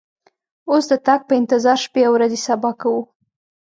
اوس د تګ په انتظار شپې او ورځې صبا کوو.